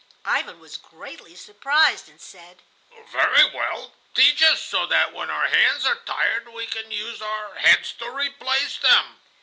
Ivan was greatly surprised and said: "Very well; teach us, so that when our hands are tired we can use our heads to replace them."